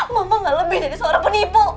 mama gak lebih dari seorang penipu